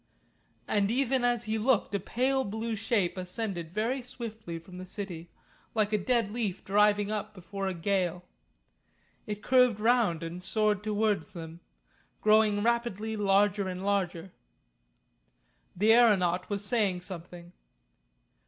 And even as he looked a pale blue shape ascended very swiftly from the city like a dead leaf driving up before a gale. It curved round and soared towards them, growing rapidly larger and larger. The aeronaut was saying something.